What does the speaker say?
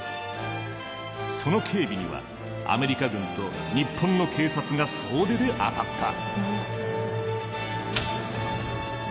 その警備にはアメリカ軍と日本の警察が総出で当たった。